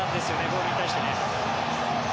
ボールに対してね。